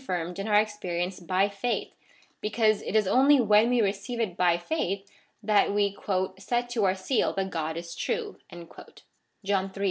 57 oonlirmed in our experience by faith, because it is only wlien we receive it by faith that we " set to our seal that God is true'' (John iii.